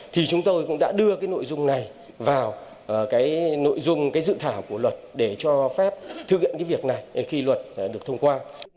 thì chúng tôi cũng đã đưa cái nội dung này vào cái nội dung cái dự thảo của luật để cho phép thực hiện cái việc này khi luật được thông qua